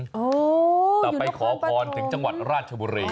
อ๋ออยู่นครปฐมต่อไปขอพรถึงจังหวัดราชบุรี